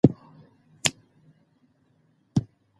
هغه د بدلون لپاره صبر غوښت.